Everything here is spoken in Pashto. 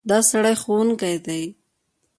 دا سړی ښوونکی دی.